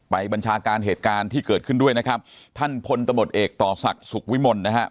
บัญชาการเหตุการณ์ที่เกิดขึ้นด้วยนะครับท่านพลตำรวจเอกต่อศักดิ์สุขวิมลนะฮะ